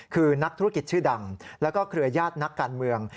คือนักธุรกิจชื่อดังแล้วก็เครือญาตินักการเมือง